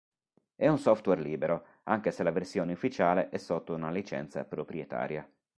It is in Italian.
È un software libero, anche se la versione ufficiale è sotto una licenza proprietaria.